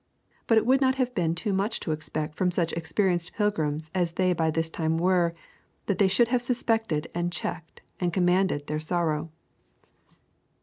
But it would not have been too much to expect from such experienced pilgrims as they by this time were, that they should have suspected and checked and commanded their sorrow.